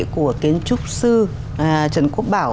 của kiến trúc sư trần quốc bảo